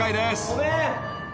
ごめん。